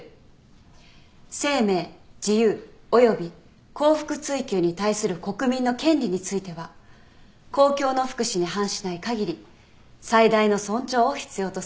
生命自由及び幸福追求に対する国民の権利については公共の福祉に反しない限り最大の尊重を必要とする。